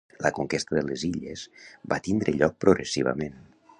La conquesta de les illes va tindre lloc progressivament.